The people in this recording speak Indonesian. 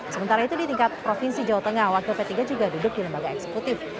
sementara itu di tingkat provinsi jawa tengah wakil p tiga juga duduk di lembaga eksekutif